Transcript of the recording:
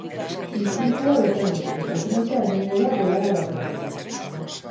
Istripua izan du eta ezinduta egongo da bolada baterako.